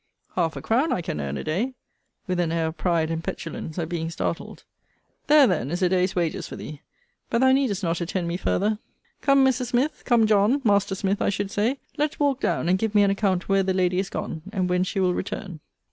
Half a crown I can earn a day; with an air of pride and petulance, at being startled. There then is a day's wages for thee. But thou needest not attend me farther. Come, Mrs. Smith, come John, (Master Smith I should say,) let's walk down, and give me an account where the lady is gone, and when she will return.